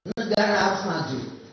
negara harus maju